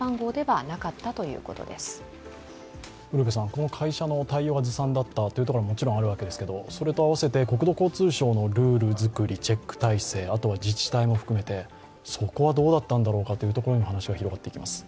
この会社の対応がずさんだったということは、もちろんあるんですけれどもそれと合わせて、国土交通省のルール作り、チェック体制、後は自治体も含めてそこはどうだったんだろうかというところまで話が広がっていきます。